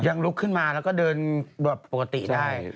ลุกขึ้นมาแล้วก็เดินแบบปกติได้